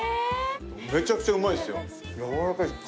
めちゃくちゃうまいっすよ。